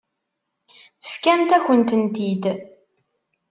Fkant-akent-tent-id.